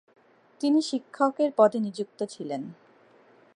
তিনি শিক্ষকের পদে নিযুক্তি ছিলেন।